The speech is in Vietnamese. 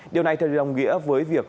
điều này thật đồng nghĩa với việc